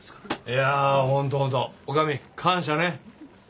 いやあ本当本当女将感謝ね。